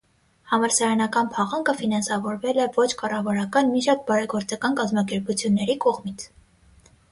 Համալսարանական փաղանգը ֆինանսավորվել է ոչ կառավարական մի շարք բարեգործական կազմակերպությունների կողմից։